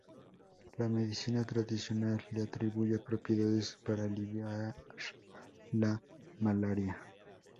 La medicina tradicional le atribuye propiedades para aliviar la malaria.